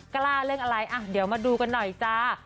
เรื่องอะไรเดี๋ยวมาดูกันหน่อยจ้า